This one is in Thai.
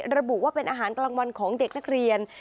ระบุว่าเป็นอาหารกลางวันของเด็กนักเรียน